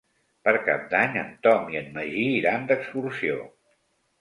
Per Cap d'Any en Tom i en Magí iran d'excursió.